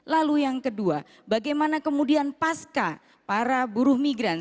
lalu yang kedua bagaimana kemudian pasca para buruh migran